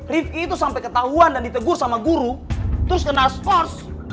rifki itu sampai ketahuan dan ditegur sama guru terus kena sports